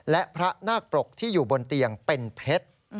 และพระนาคปรกที่อยู่บนเตียงเป็นเพชร